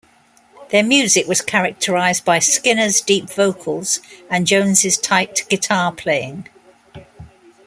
Their music was characterized by Skinner's deep vocals and Jones' tight guitar playing.